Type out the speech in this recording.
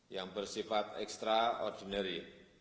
yang bersifat ekstraordinari